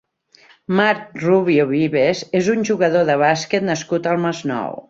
Marc Rubio Vives és un jugador de bàsquet nascut al Masnou.